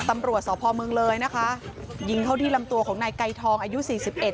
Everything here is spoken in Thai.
ตำรวจสพเมืองเลยนะคะยิงเข้าที่ลำตัวของนายไกรทองอายุสี่สิบเอ็